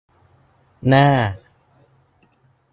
หน้า